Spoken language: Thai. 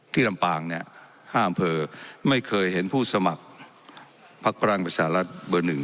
ที่ลำปางเนี้ยห้ามเพอไม่เคยเห็นผู้สมัครภักดิ์ประเร็ญประชาลรัฐเบอร์หนึ่ง